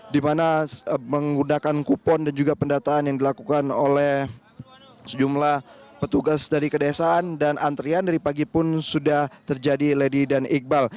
di mana menggunakan kupon dan juga pendataan yang dilakukan oleh sejumlah petugas dari kedesaan dan antrian dari pagi pun sudah terjadi lady dan iqbal